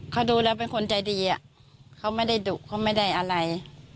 เขาดูแล้วเป็นคนใจดีอะเขาไม่ได้ดุเขาไม่ได้อะไร